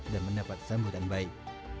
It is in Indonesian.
dan mendapat kesambutan baik